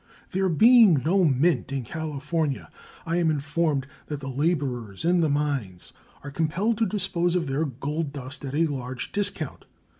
There being no mint in California, I am informed that the laborers in the mines are compelled to dispose of their gold dust at a large discount.